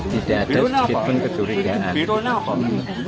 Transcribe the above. tidak ada sedikitpun keturigaan